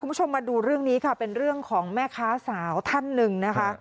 คุณผู้ชมมาดูเรื่องนี้ค่ะเป็นเรื่องของแม่ค้าสาวท่านหนึ่งนะคะ